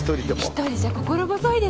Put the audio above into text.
１人じゃ心細いでしょ。